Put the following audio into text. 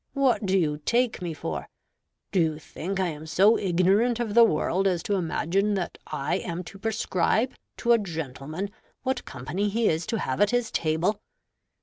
What do you take me for? Do you think I am so ignorant of the world as to imagine that I am to prescribe to a gentleman what company he is to have at his table?